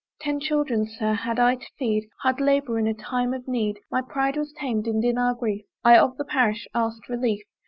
Ten children, Sir! had I to feed, Hard labour in a time of need! My pride was tamed, and in our grief, I of the parish ask'd relief.